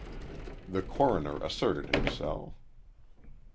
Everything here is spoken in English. The coroner asserted himself.